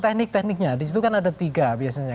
teknik tekniknya di situ kan ada tiga biasanya